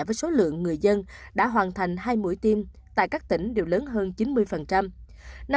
với số lượng người dân đã hoàn thành hai mũi tiêm tại các tỉnh đều lớn hơn chín mươi